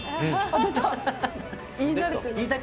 出た。